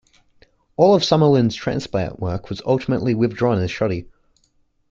All of Summerlin's transplant work was ultimately withdrawn as shoddy.